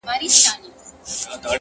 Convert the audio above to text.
• هم په عقل هم په ژبه گړندى وو ,